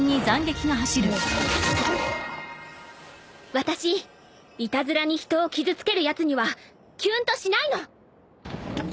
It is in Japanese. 私いたずらに人を傷つけるやつにはキュンとしないの。